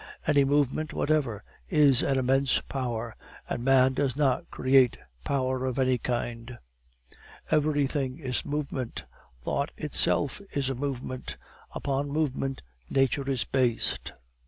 Any movement whatever is an immense power, and man does not create power of any kind. Everything is movement, thought itself is a movement, upon movement nature is based.